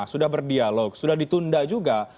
sudah berdialog sudah ditunda juga